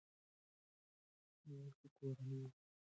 مور د کورنۍ د خوړو لګښت مدیریت کوي.